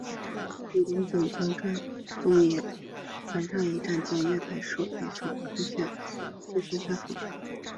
与邻站中井站及中野坂上站一样将月台设于首都高速中央环状新宿线下方。